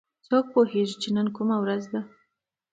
څوک پوهیږي چې نن کومه ورځ ده